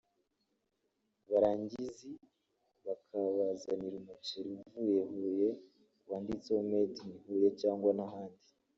barangizi bakabazanira umuceri uvuye Huye wanditseho Made in Huye cyangwa n’ahandi